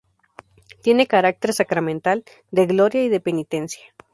Tiene carácter sacramental, de gloria y de penitencia.